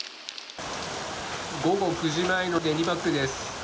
午後９時前の練馬区です。